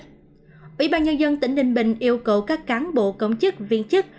chủ tịch ủy ban nhân dân tỉnh ninh bình yêu cầu các cán bộ công chức viên chức